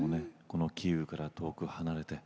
この「キーウから遠く離れて」